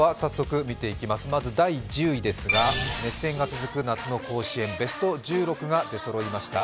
まず第１０位ですが熱戦が続く夏の甲子園ベスト１６が出そろいました。